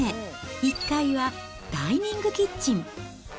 １階はダイニングキッチン。